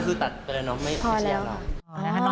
ก็คือตัดไปแล้วเนอะไม่ใช่อย่างเรา